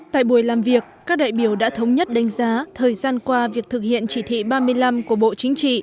tại buổi làm việc các đại biểu đã thống nhất đánh giá thời gian qua việc thực hiện chỉ thị ba mươi năm của bộ chính trị